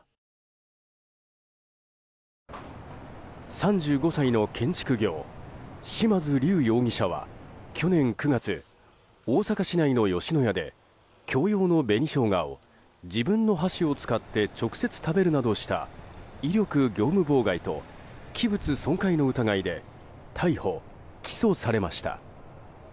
３５歳の建築業嶋津龍容疑者は去年９月大阪市内の吉野家で共用の紅ショウガを自分の箸を使って直接食べるなどした威力業務妨害と器物損壊の疑いで逮捕・起訴されました。